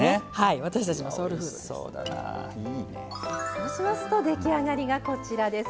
そうしますと出来上がりがこちらです。